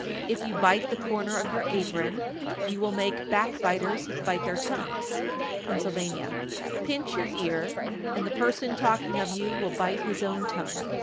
_ 1342. If you bite the corner of your apron, you will make back biters bite their tongues. Pennsylvania. 1343. Pinch your ear, and the person talking of you will bite his own tongue.